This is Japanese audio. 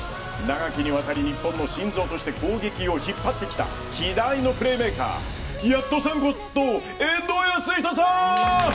長きにわたり日本の心臓として攻撃を引っ張ってきた希代のプレーメーカーヤットこと遠藤保仁さん！